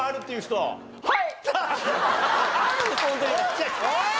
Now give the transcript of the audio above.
はい。